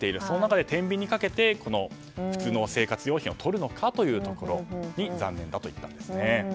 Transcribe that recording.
その中で天秤にかけて普通の生活用品をとるのかというところに残念だと言ったんですね。